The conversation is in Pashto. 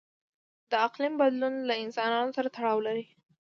د اقلیم بدلون له انسانانو سره تړاو لري.